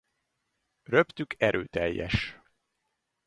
Röptük erőteljes.